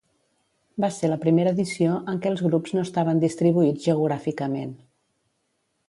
Va ser la primera edició en què els grups no estaven distribuïts geogràficament.